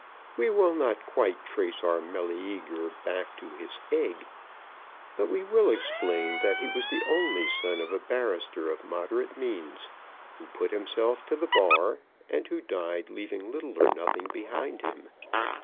We will not quite trace our Meleager back to his egg, but we will explain that he was the only son of a barrister of moderate means, who put him to the Bar, and who died leaving little or nothing behind him.